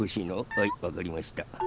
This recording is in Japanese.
はいわかりました。